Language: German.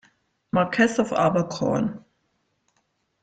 Marquess of Abercorn.